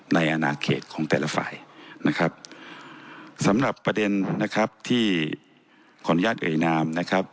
ในอนาคตของแต่ละฝ่ายนะครับสำหรับประเด็นนะครับที่ขออนุญาตเอ่ยนามนะครับ